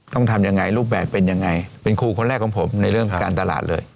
ต้องทำยังไงรูปแบบเป็นยังไงเป็นครูคนแรกของผมในเรื่องการตลาดเลย